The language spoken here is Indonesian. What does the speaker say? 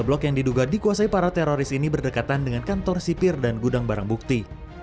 blok yang diduga dikuasai para teroris ini berdekatan dengan kantor sipir dan gudang barang bukti